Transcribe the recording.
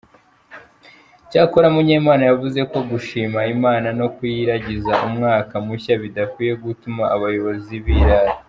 Icyakora Munyemana yavuze ko gushima Imana no kuyiragiza umwaka mushya bidakwiye gutuma abayobozi birara.